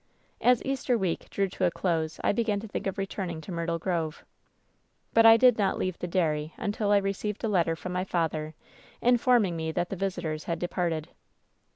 "As Easter week drew to a close I began to think of returning to Myrtle Grove. "But I did not leave the dairy until I received a letter from my father, informing me that the visitors had departed.